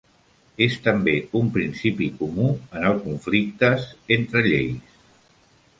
És també un principi comú en el conflictes entre lleis.